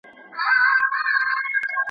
ستاسي ذات باندي جامې مو چي گنډلي .